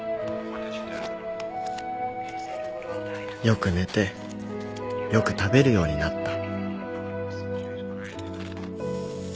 よく寝てよく食べるようになった